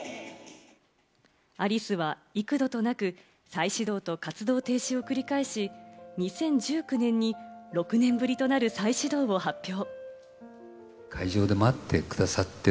アリスは幾度となく再始動と活動停止を繰り返し、２０１９年に６年ぶりとなる再始動を発表。